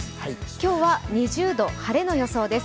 今日は２０度、晴れの予想です。